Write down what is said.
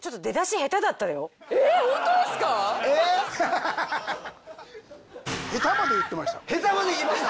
「下手」まで言いました！？